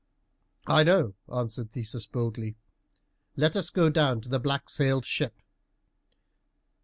"I know," answered Theseus boldly; "let us go down to the black sailed ship."